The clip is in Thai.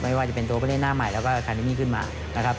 ไม่ว่าจะเป็นตัวผู้เล่นหน้าใหม่แล้วก็คาเดมี่ขึ้นมานะครับ